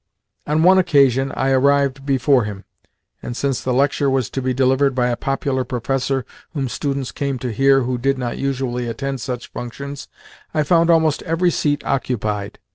On one occasion I arrived before him, and, since the lecture was to be delivered by a popular professor whom students came to hear who did not usually attend such functions, I found almost every seat occupied.